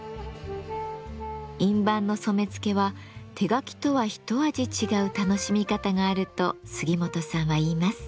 印判の染付は手描きとは一味違う楽しみ方があると杉本さんは言います。